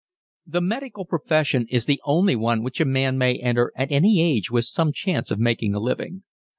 The medical profession is the only one which a man may enter at any age with some chance of making a living.